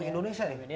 ini satu indonesia nih